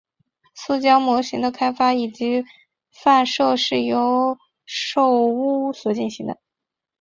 塑胶模型的开发以及贩售是由寿屋所进行的。